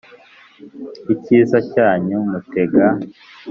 Icyiza cyanyu Mutega